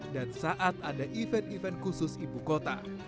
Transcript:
dan saat ada event event khusus ibu kota